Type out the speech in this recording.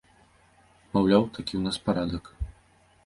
Маўляў, такі ў нас парадак.